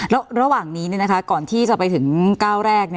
แล้วระหว่างนี้ก่อนที่จะไปถึงก้าวแรก